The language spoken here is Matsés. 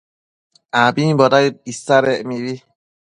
abimbo daëd isadec mibi